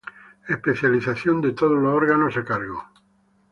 Especialización de todos los órganos a cargo.